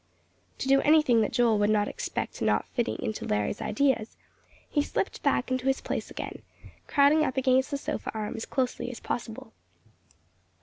To do anything that Joel would not expect not fitting into Larry's ideas, he slipped back into his place again, crowding up against the sofa arm as closely as possible.